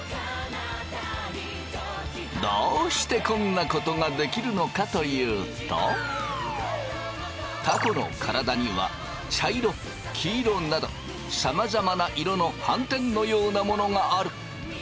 どうしてこんなことができるのかというとたこの体には茶色黄色などさまざまな色の斑点のようなものがある。